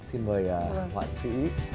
xin mời họa sĩ